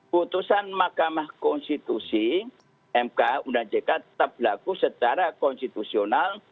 putusan mahkamah konstitusi mk undang jk tetap berlaku secara konstitusional